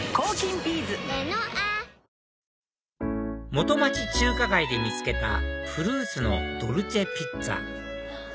元町・中華街で見つけたフルーツのドルチェピッツァ